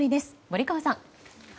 森川さん。